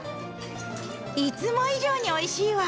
いつも以上においしいわ！